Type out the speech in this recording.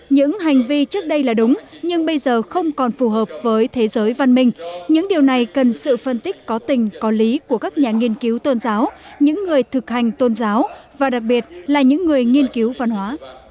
những hành vi trước đây là đúng nhưng bây giờ không còn phù hợp với thế giới văn minh những điều này cần sự phân tích có tình có lý của các nhà nghiên cứu tôn giáo những người thực hành tôn giáo và đặc biệt là những người nghiên cứu văn hóa